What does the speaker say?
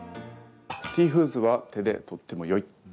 ティーフーズは手で取ってもよい。